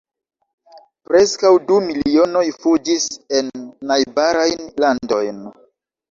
Preskaŭ du milionoj fuĝis en najbarajn landojn.